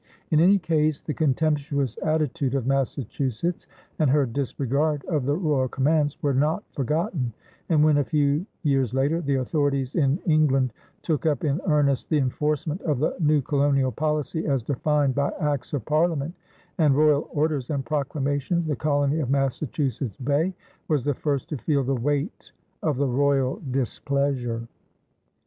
In any case, the contemptuous attitude of Massachusetts and her disregard of the royal commands were not forgotten; and when, a few years later, the authorities in England took up in earnest the enforcement of the new colonial policy as defined by acts of Parliament and royal orders and proclamations, the colony of Massachusetts Bay was the first to feel the weight of the royal displeasure.